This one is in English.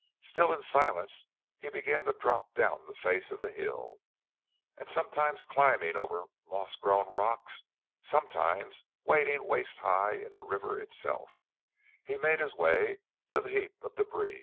Still in silence he began to drop down the face of the hill, and sometimes climbing over moss grown rocks, sometimes wading waist high in the river itself, he made his way to the heap of debris.